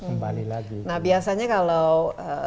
kembali lagi nah biasanya kalau